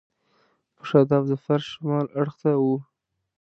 په شاداب ظفر شمال اړخ ته و.